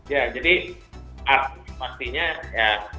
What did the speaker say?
ya jadi pastinya ya